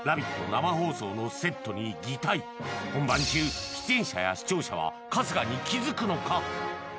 生放送のセットに擬態本番中出演者や視聴者は春日に気づくのか？